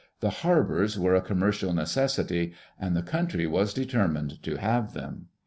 The harbors were a commercial necessity and the country was determined to have them.